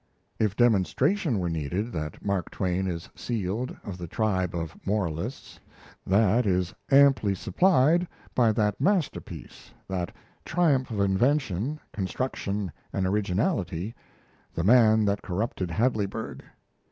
If demonstration were needed that Mark Twain is sealed of the tribe of moralists, that is amply supplied by that masterpiece, that triumph of invention, construction, and originality, 'The Man that Corrupted Hadleyburg'.